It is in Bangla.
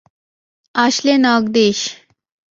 আসলে নক দিস।